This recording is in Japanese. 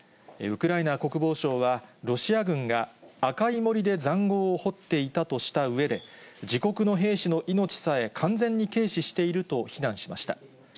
ウクライナ国防省は、ロシア軍が赤い森でざんごうを掘っていたとしたうえで、自国の兵士の命さえ、完全に軽視していると非難しました。